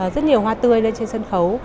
rất nhiều hoa tươi lên trên sân khấu